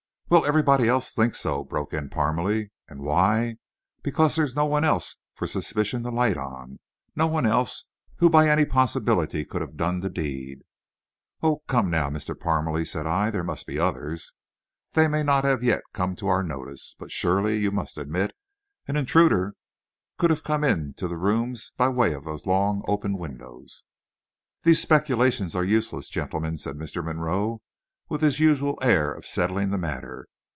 "Well, everybody else thinks so," broke in Parmalee. "And why? Because there's no one else for suspicion to light on. No one else who by any possibility could have done the deed." "Oh, come now, Mr. Parmalee," said I, "there must be others. They may not yet have come to our notice, but surely you must admit an intruder could have come into the room by way of those long, open windows." "These speculations are useless, gentlemen," said Mr. Monroe, with his usual air of settling the matter.